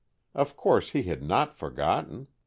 Of course he had not forgotten.